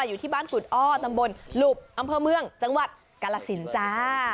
อยู่ที่บ้านกุฎอ้อตำบลหลุบอำเภอเมืองจังหวัดกาลสินจ้า